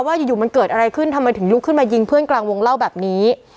ว่าอยู่มันเกิดอะไรขึ้นทำไมถึงลุกขึ้นมายิงเพื่อนกลางวงเล่าแบบนี้